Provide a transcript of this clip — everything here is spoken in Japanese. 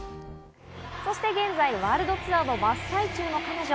そして現在ワールドツアーの真っ最中の彼女。